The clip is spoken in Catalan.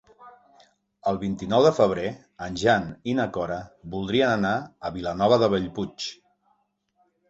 El vint-i-nou de febrer en Jan i na Cora voldrien anar a Vilanova de Bellpuig.